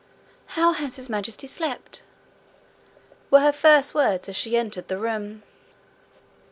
'How has His Majesty slept?' were her first words as she entered the room.